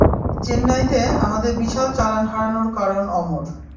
চেন্নাইতে আমাদের বিশাল চালান হারানোর কারণ অমর।